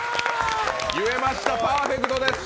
言えました、パーフェクトです。